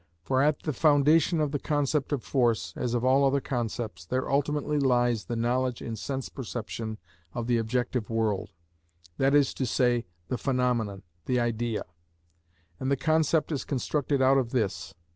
For at the foundation of the concept of force, as of all other concepts, there ultimately lies the knowledge in sense perception of the objective world, that is to say, the phenomenon, the idea; and the concept is constructed out of this.